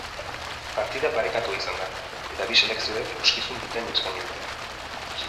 Partida parekatua izan da, eta bi selekzioek ikuskizun bikaina eskaini dute.